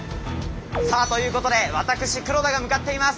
さあということで私黒田が向かっています